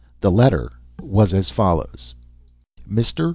The letter was as follows: "MR.